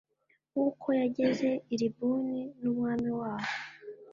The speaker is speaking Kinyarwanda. nk’ uko yagize i Libuni n’ umwami waho